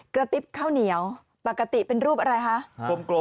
กระติ๊บข้าวเหนียวปกติเป็นรูปอะไรคะ